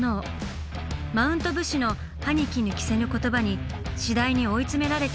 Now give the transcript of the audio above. マウント武士の歯に衣着せぬ言葉に次第に追い詰められていきます。